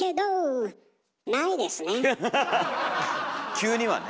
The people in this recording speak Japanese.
急にはね。